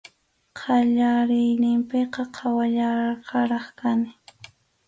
Qallariyninpiqa qhawallaqraq kani.